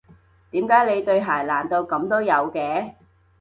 點解你對鞋爛到噉都有嘅？